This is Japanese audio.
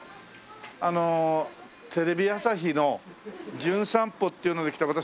あのテレビ朝日の『じゅん散歩』っていうので来た私